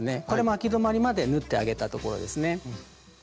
これもあき止まりまで縫ってあげたところですね。